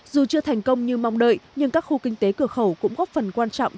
dù chưa thành công như mong đợi nhưng các khu kinh tế cửa khẩu cũng góp phần quan trọng